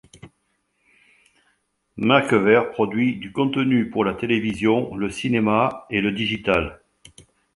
Makever produit du contenu pour la télévision, le cinéma et le digital.